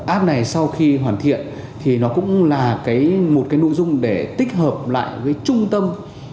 app này sau khi hoàn thiện thì nó cũng là một cái nội dung để tích hợp lại với trung tâm